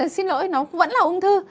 xin lỗi nó vẫn là ung thư